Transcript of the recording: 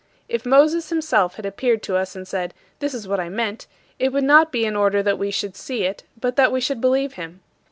If Moses himself had appeared to us and said, "This is what I meant," it would not be in order that we should see it but that we should believe him.